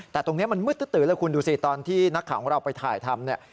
แต่ตรงนี้มันมืดตื้อเลยคุณดูสิตอนที่นักข่าวของเราไปถ่ายทำเนี่ย